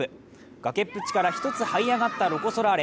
崖っぷちから１つはい上がったロコ・ソラーレ。